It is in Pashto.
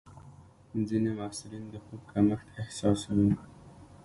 ځینې محصلین د خوب کمښت احساسوي.